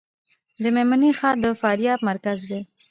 د میمنې ښار د فاریاب مرکز دی